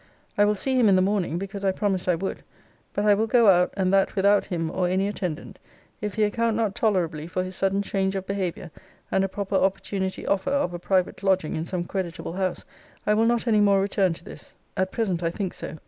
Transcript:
I will see him in the morning, because I promised I would. But I will go out, and that without him, or any attendant. If he account not tolerably for his sudden change of behaviour, and a proper opportunity offer of a private lodging in some creditable house, I will not any more return to this: at present I think so.